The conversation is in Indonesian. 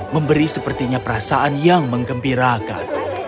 memberi sepertinya perasaan yang mengembirakan